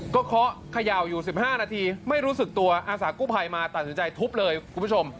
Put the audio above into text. ก็เคาะเขย่าอยู่๑๕นาทีไม่รู้สึกตัวอาสากู้ภัยมาตัดสินใจทุบเลยคุณผู้ชม